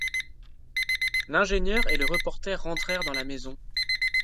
L’ingénieur et le reporter rentrèrent dans la maison